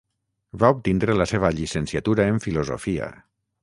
Va obtindre la seva llicenciatura en filosofia.